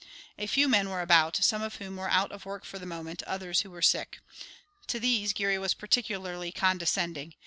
A few men were about, some of whom were out of work for the moment; others who were sick. To these Geary was particularly condescending.